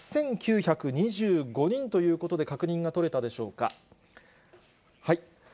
８９２５人ということで、確認が取れたでしょうか。